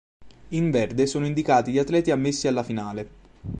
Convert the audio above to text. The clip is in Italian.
In verde sono indicati gli atleti ammessi alla finale.